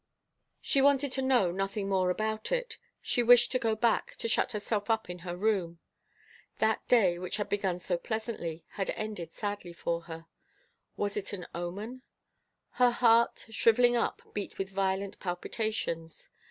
She wanted to know nothing more about it. She wished to go back, to shut herself up in her room. That day, which had begun so pleasantly, had ended sadly for her. Was it an omen? Her heart, shriveling up, beat with violent palpitations.